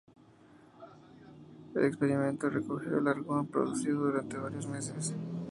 El experimento recogió el argón producido durante varios meses.